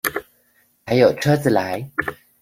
才有車子來